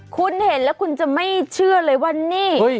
คุณเห็นแล้วคุณจะไม่เชื่อเลยว่านี่